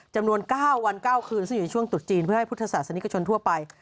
จำนวน๙วัน๙คืนซึ่งอยู่ในช่วงตุดจีนเพื่อให้พุทธศาสนิกชนทั่วไป